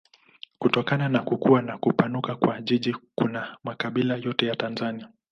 Kutokana na kukua na kupanuka kwa jiji kuna makabila yote ya Tanzania.